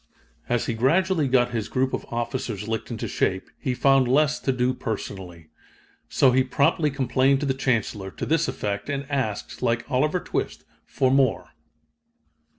As he gradually got his group of officers licked into shape, he found less to do personally. So he promptly complained to the Chancellor, to this effect, and asked, like Oliver Twist, for more.